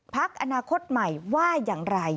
พักอนาคตใหม่ว่าอย่างไร